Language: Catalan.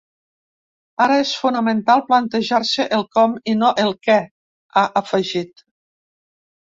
Ara és fonamental plantejar-se el com i no el què, ha afegit.